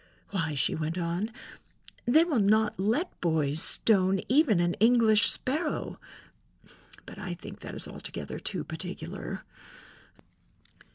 Why," she went on, "they will not let boys stone even an English Sparrow, but I think that is altogether too particular.